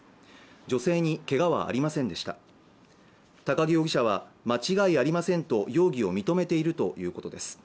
女性にけがはありませんでした高木容疑者は間違いありませんと容疑を認めているということです